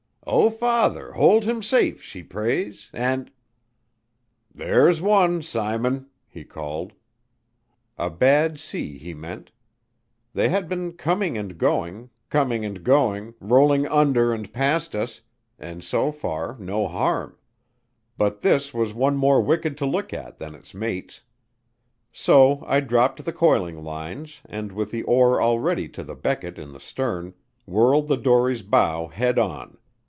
"'O Father, hold him safe!' she prays, 'And '""There's one, Simon!" he called. A bad sea he meant. They had been coming and going, coming and going, rolling under and past us, and so far no harm; but this was one more wicked to look at than its mates. So I dropped the coiling lines and, with the oar already to the becket in the stern, whirled the dory's bow head on.